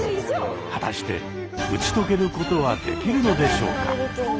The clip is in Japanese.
果たして打ち解けることはできるのでしょうか？